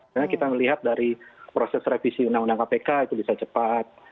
karena kita melihat dari proses revisi undang undang kpk itu bisa cepat